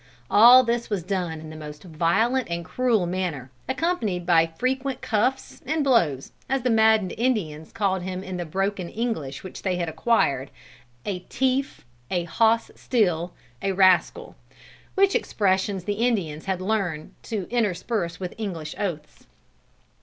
All this was done in the most violent and cruel manner, accompanied by frequent cuffs, and blows, as the maddened Indians called him in the broken English which they had acquired, 'a tief, a hoss steal, a rascal,' which expressions the Indians had learned to intersperse with English oaths.